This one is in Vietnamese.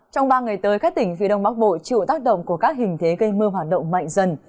trong ba ngày tới các tỉnh phía đông bắc bộ chịu tác động của các hình thế gây mưa hoạt động mạnh dần